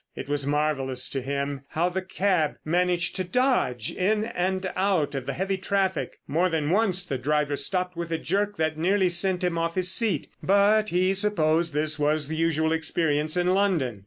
It was marvellous to him how the cab managed to dodge in and out of the heavy traffic; more than once the driver stopped with a jerk that nearly sent him off his seat, but he supposed this was the usual experience in London.